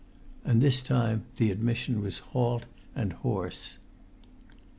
And this time the admission was halt and hoarse.